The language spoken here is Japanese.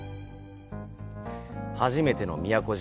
初めての宮古島。